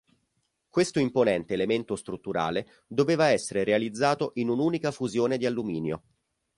Questo imponente elemento strutturale doveva essere realizzato in un'unica fusione di alluminio.